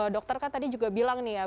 dokter kan tadi juga bilang nih ya